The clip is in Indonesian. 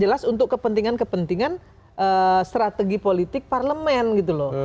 jelas untuk kepentingan kepentingan strategi politik parlemen gitu loh